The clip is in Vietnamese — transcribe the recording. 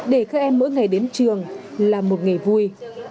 để các em mỗi ngày đến trường là một ngày vui